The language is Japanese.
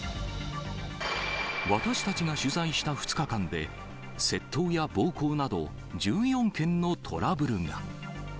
私たちが取材した２日間で、窃盗や暴行など、１４件のトラブルが。